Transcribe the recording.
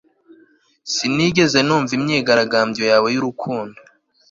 sinigeze numva imyigaragambyo yawe y'urukundo